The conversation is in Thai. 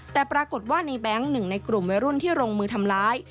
แต่ปรากฏว่าในแบงค์หนึ่งในกลุ่มวัยรุ่นที่ลงมือทำร้าย